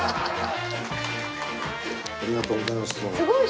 ありがとうございますどうも。